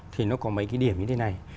thì nó có mấy cái điểm như thế này